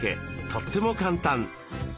とっても簡単。